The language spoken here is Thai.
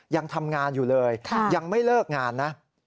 ยังทำงานอยู่เลยยังไม่เลิกงานนะ